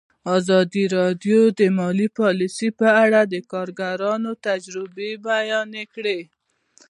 ازادي راډیو د مالي پالیسي په اړه د کارګرانو تجربې بیان کړي.